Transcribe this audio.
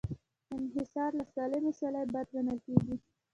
انحصار له سالمې سیالۍ بد ګڼل کېږي.